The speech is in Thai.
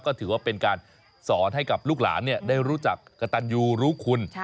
ก็ถือว่าเป็นการสอนให้กับลูกหลานได้รู้จักกระตันยูรู้คุณ